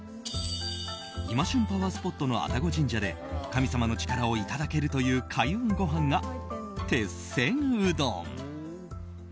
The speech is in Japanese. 今旬パワースポットの愛宕神社で神様の力をいただけるという開運ごはんが、てっせんうどん。